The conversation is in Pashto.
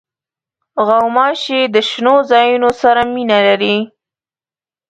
غوماشې د شنو ځایونو سره مینه لري.